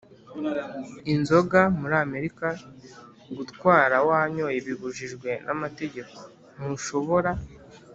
Inzoga muri amerika gutwara wanyoye bibujijwe n amategeko ntushobora